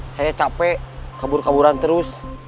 saya capek kabur kaburan terus